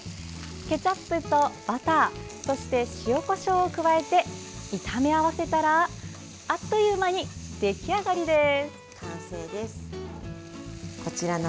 ケチャップとバターそして塩、こしょうを加えて炒め合わせたらあっという間に出来上がりです。